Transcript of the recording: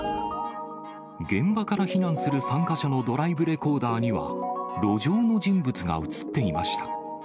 現場から避難する参加者のドライブレコーダーには、路上の人物が写っていました。